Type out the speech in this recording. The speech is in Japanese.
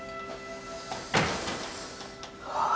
ああ。